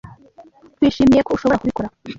Twishimiye ko ushobora kubikora.